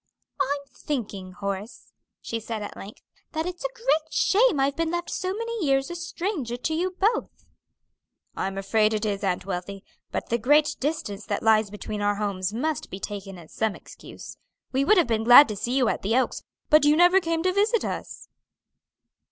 "I'm thinking, Horace," she said at length, "that it's a great shame I've been left so many years a stranger to you both." "I'm afraid it is, Aunt Wealthy; but the great distance that lies between our homes must be taken as some excuse. We would have been glad to see you at the Oaks, but you never came to visit us."